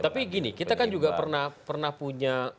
tapi gini kita kan juga pernah punya